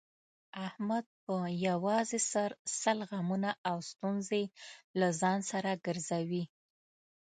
احمد په یووازې سر سل غمونه او ستونزې له ځان سره ګرځوي.